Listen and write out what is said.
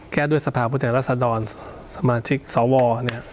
แก้ด้วยสภาพุทธแห่งรัฐสะดอนสมาชิกสวเนี่ย